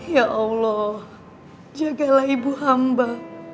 ya allah jagalah ibu hamba